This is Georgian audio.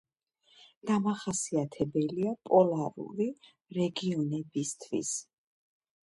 დამახასიათებელია პოლარული რეგიონებისთვის.